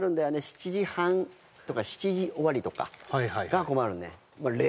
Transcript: ７時半とか７時終わりとかが困るね